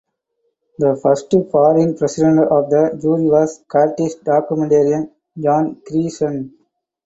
The first foreign President of the Jury was Scottish documentarian John Grierson.